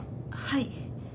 はい。